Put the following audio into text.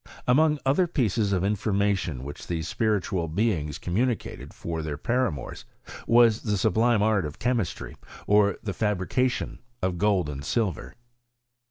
Among other pieces of in formation which these spiritual beings communicated to their paramours, was the sublime art of Chemistry, or the fabrication of gold and silver.